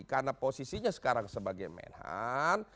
karena posisinya sekarang sebagai men han